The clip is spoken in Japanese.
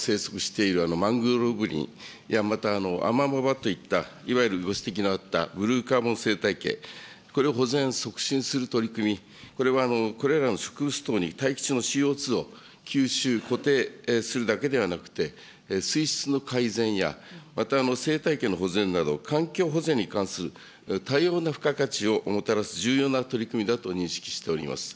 比嘉委員のご地元の沖縄に生息しているマングローブ林、また、あまもばといったいわゆるご指摘のあったブルーカーボン生態系、これを保全促進する取り組み、これはこれらのに大気中のＣＯ２を吸収、固定するだけではなくて、水質の改善やまた生態系の保全など、環境保全に関する多様な付加価値をもたらす重要な取り組みだと認識しております。